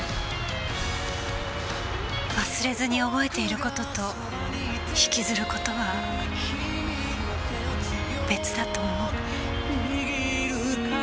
忘れずに覚えている事と引きずる事は別だと思う。